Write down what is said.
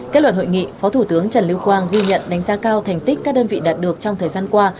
kết luận hội nghị phó thủ tướng trần lưu quang ghi nhận đánh giá cao thành tích các đơn vị đạt được trong thời gian qua